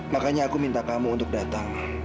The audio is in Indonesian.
makanya aku minta kamu untuk datang